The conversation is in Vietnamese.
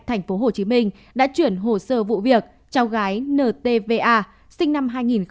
tp hcm đã chuyển hồ sơ vụ việc cháu gái ntva sinh năm hai nghìn một mươi